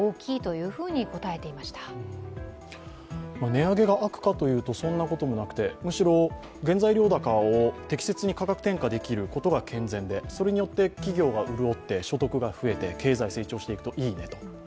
値上げが悪かというと、そんなことはなくてむしろ原材料高を適切に価格転嫁できることが健全でそれによって企業が潤って、所得が増えて経済が成長していくといいね。